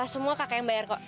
semua kakak yang bayar kok